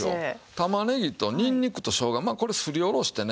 玉ねぎとにんにくとしょうがまあこれすりおろしてね。